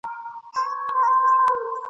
ما به څه کول دنیا چي څه به کیږي ..